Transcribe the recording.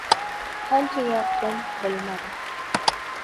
Qancha yotdim — bilmadim.